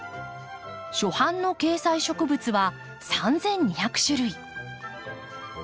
初版の掲載植物は３，２００種類。